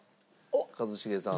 一茂さん。